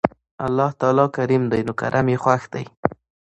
الله تعالی کريم دی نو کرَم ئي خوښ دی